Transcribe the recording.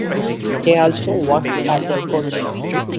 He also works as a coach.